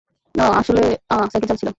আহ, আসলে, আহ, সাইকেল চালাচ্ছিলাম।